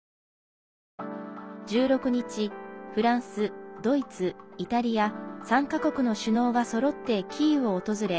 １６日フランス、ドイツ、イタリア３か国の首脳がそろってキーウを訪れ